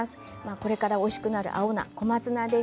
これからおいしくなる青菜小松菜です。